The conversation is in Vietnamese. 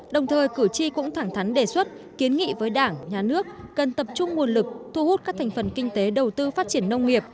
đồng thời cử tri cũng thẳng thắn đề xuất kiến nghị với đảng nhà nước cần tập trung nguồn lực thu hút các thành phần kinh tế đầu tư phát triển nông nghiệp